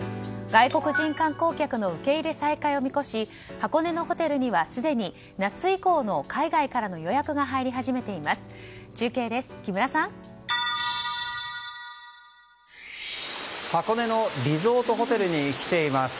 外国人観光客の受け入れ再開を見こし箱根のホテルにはすでに夏以降の海外からの予約が入り始めています。